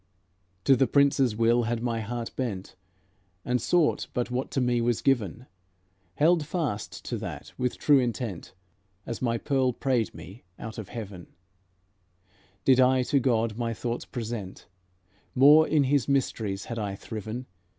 To the Prince's will had my heart bent, And sought but what to me was given, Held fast to that, with true intent, As my Pearl prayed me out of heaven; Did I to God my thoughts present, More in His mysteries had I thriven.